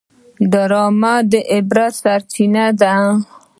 ډرامه د عبرت سرچینه ده